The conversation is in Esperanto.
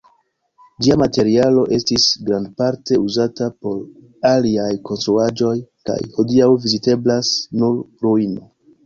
Ĝia materialo estis grandparte uzata por aliaj konstruaĵoj kaj hodiaŭ viziteblas nur ruino.